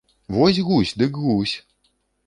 Вось гусь, дык гусь!